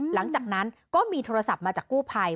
หลังจากนั้นก็มีโทรศัพท์มาจากกู้ภัย